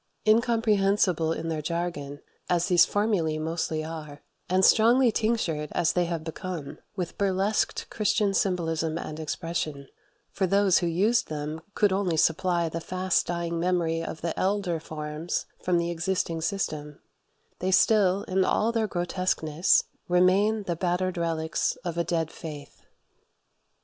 Incomprehensible in their jargon as these formulae mostly are, and strongly tinctured as they have become with burlesqued Christian symbolism and expression for those who used them could only supply the fast dying memory of the elder forms from the existing system they still, in all their grotesqueness, remain the battered relics of a dead faith.